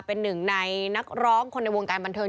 เป็นหนึ่งในนักร้องคนในวงการบันเทิง